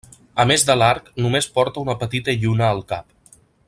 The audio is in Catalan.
A més de l'arc només porta una petita lluna al cap.